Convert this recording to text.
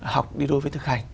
học đi đối với thực hành